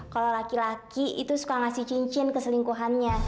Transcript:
kalau laki laki itu suka ngasih cincin ke selingkuhannya